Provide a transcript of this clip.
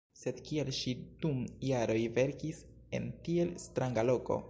Sed kial ŝi dum jaroj verkis en tiel stranga loko?